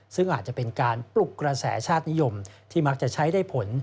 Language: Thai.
ซึ่งอาจจะเป็นการปลุกกระแสชาตินิยมที่มักจะใช้ได้ผล